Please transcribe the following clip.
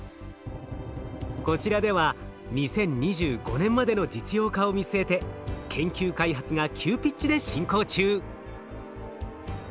こちらでは２０２５年までの実用化を見据えて研究開発が急ピッチで進行中。